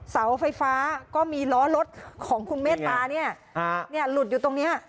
เสาไฟฟ้าก็มีล้อรถของคุณเมตตาเนี่ยหลุดอยู่ตรงเนี้ย